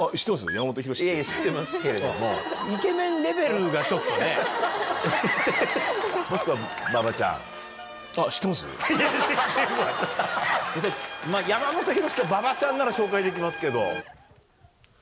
山本博か馬場ちゃんなら紹介できますけど。